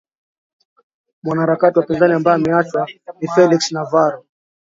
mwanaharakati wapinzani ambaye ameachiwa ni felix navaro